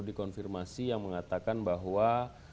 dikonfirmasi yang mengatakan bahwa